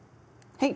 はい。